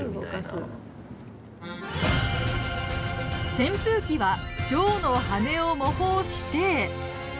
扇風機はチョウの羽を模倣して。